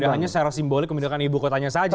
tidak hanya secara simbolik memindahkan ibu kotanya saja